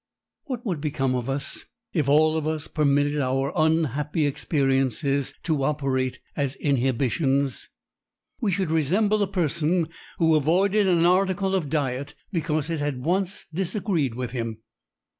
What would become of us if all of us permitted our unhappy experiences to operate as inhibitions! We should resemble a person who avoided an article of diet because it had once disagreed with him.